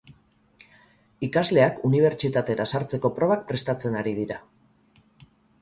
Ikasleak unibertsitatera sartzeko probak prestatzen ari dira.